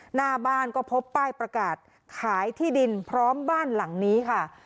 หน้าบ้านก็พบป้ายประกาศขายที่ดินพร้อมบ้านหลังนี้ค่ะ